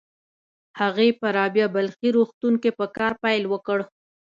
هغې په رابعه بلخي روغتون کې په کار پيل وکړ.